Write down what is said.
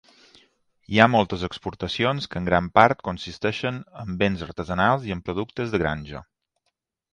Hi ha moltes exportacions que en gran part consisteixen en béns artesanals i en productes de granja.